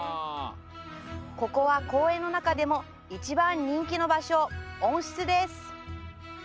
ここは公園の中でも一番人気の場所、温室です。